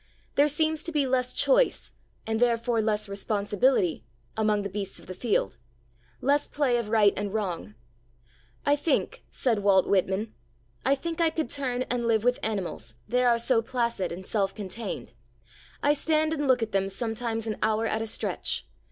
There seems to be less choice, and therefore less responsibility, among the beasts of the field; less play of right and wrong. 'I think,' said Walt Whitman I think I could turn and live with animals, they are so placid and self contained; I stand and look at them sometimes an hour at a stretch.